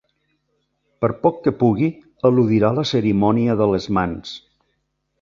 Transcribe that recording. Per poc que pugui eludirà la cerimònia de les mans.